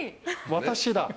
私だ。